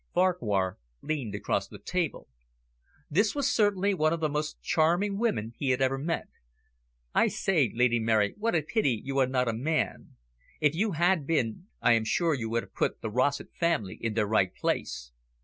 Farquhar leaned across the table. This was certainly one of the most charming women he had ever met. "I say, Lady Mary, what a pity you are not a man. If you had been, I am sure you would have put the Rossett family in their right place."